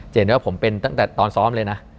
เห็นว่าผมเป็นตั้งแต่ตอนซ้อมเลยนะ